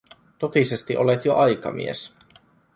Totisesti olet jo aikamies.